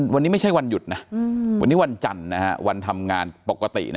วันนี้ไม่ใช่วันหยุดนะวันนี้วันจันทร์วันทำงานปกตินะ